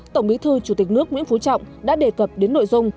tổng bí thư chủ tịch nước nguyễn phú trọng đã đề cập đến nội dung